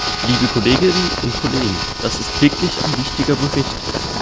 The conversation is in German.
Liebe Kolleginnen und Kollegen! Das ist wirklich ein wichtiger Bericht.